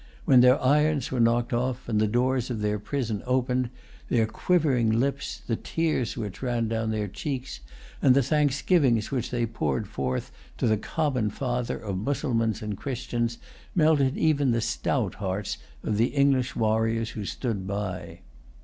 When their irons were knocked off and the doors of their prison opened, their quivering lips, the tears which ran down their cheeks, and the thanksgivings which they poured forth to the common Father of Mussulmans and Christians, melted even the stout hearts of the English warriors who stood by.